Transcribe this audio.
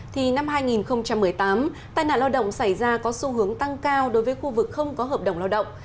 thì năm hai nghìn một mươi tám tai nạn lao động xảy ra có xu hướng tăng cao đối với khu vực không có hợp đồng lao động